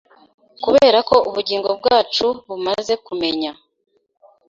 Kuberako ubugingo bwacu bumaze kumenya